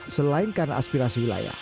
selain karena aspirasi berlaku